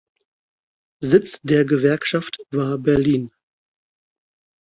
Sitz der Gewerkschaft war Berlin.